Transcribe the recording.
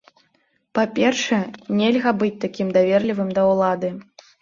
Па-першае, нельга быць такім даверлівым да ўлады.